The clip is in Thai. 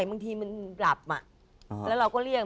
ก็คือคนที่อยู่ด้วยเนี่ย